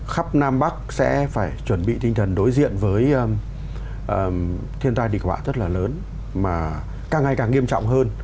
khắp nam bắc sẽ phải chuẩn bị tinh thần đối diện với thiên tai địch họa rất là lớn mà càng ngày càng nghiêm trọng hơn